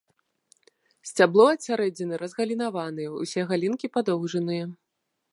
Сцябло ад сярэдзіны разгалінаваныя, усе галінкі падоўжаныя.